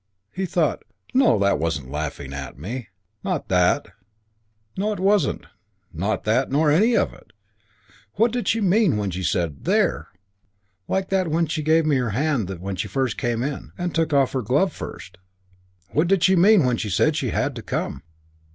He thought, "No, that wasn't laughing at me. Not that. No, it wasn't. Not that nor any of it. What did she mean when she said 'There!' like that when she gave me her hand when she first came in? And took off her glove first. What did she mean when she said she had to come?